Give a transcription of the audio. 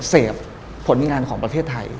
เสพผลงานของประเทศไทย